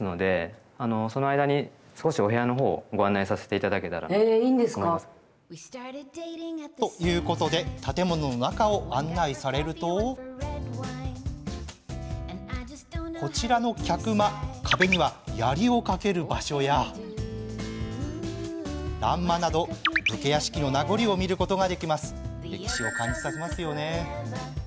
いいんですか？ということで建物の中を案内されるとこちらの客間壁には、やりをかける場所や欄間など、武家屋敷の名残を見ることができます。